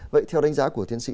vậy theo đánh giá của thiên sĩ